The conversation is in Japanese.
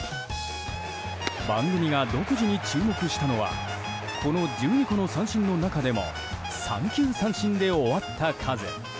番組が独自に注目したのはこの１２個の三振の中でも三球三振で終わった数。